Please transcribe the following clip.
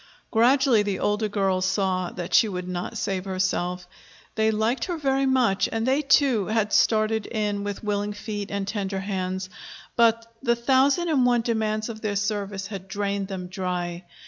Gradually the older girls saw that she would not save herself. They liked her very much, and they, too, had started in with willing feet and tender hands; but the thousand and one demands of their service had drained them dry.